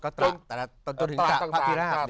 ก็ตระตระพระพิราพ